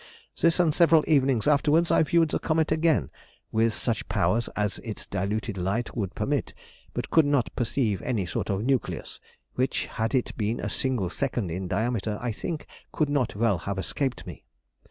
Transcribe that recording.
This, and several evenings afterwards, I viewed the comet again with such powers as its diluted light would permit, but could not perceive any sort of nucleus which, had it been a single second in diameter, I think, could not well have escaped me.